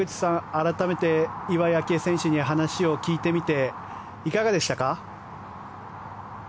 改めて、岩井明愛選手に話を聞いてみていかがでしたか？